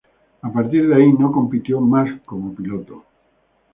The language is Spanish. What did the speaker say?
A partir de ahí no compitió más como piloto.